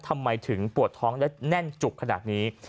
ทำไมถึงปวดท้องและแน่นจุกขนาดนี้